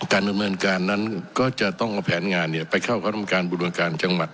การดำเนินการนั้นก็จะต้องเอาแผนงานเนี่ยไปเข้าข้อตำการบุรุณการจังหวัด